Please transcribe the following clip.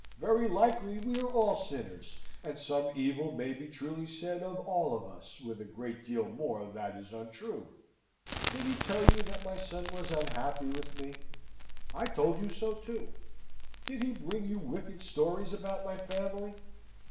"Very likely we are all sinners, and some evil may be truly said of all of us, with a great deal more that is untrue. Did he tell you that my son was unhappy with me? I told you so too. Did he bring you wicked stories about my family?